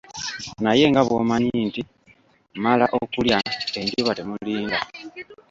Naye nga bw'omanyi nti; "Mala okulya", enjuba temulinda.